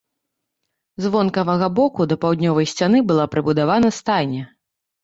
З вонкавага боку да паўднёвай сцяны была прыбудавана стайня.